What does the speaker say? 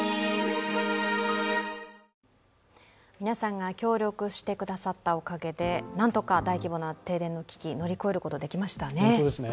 皆さんが協力してくださったおかげでなんとか大規模な停電の危機乗り越えることができましたね。